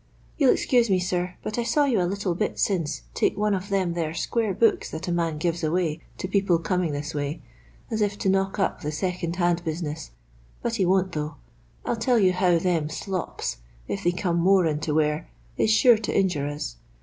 You '11 excuse me, sir, but I saw you a little bit since take one of them thete square books that a man gives away to people coming this way, as if to knock up the second hand business, but he won't, thongh ; I '11 tell you how them slops, if they come more into wear, is sure to injure us.